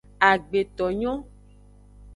Agbetonyo.